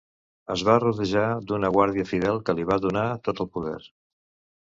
Es va rodejar d’una guàrdia fidel que li va donar tot el poder.